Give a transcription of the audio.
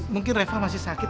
mungkin reva masih sakit